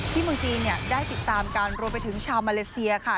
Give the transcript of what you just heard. เมืองจีนได้ติดตามกันรวมไปถึงชาวมาเลเซียค่ะ